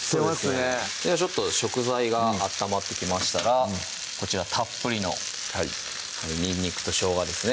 ちょっと食材が温まってきましたらこちらたっぷりのにんにくとしょうがですね